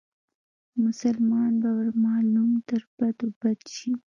مسلمان به ور معلوم تر بدو بد شي